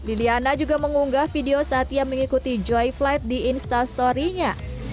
liliyana juga mengunggah video satya mengikuti joy flight di instastory nya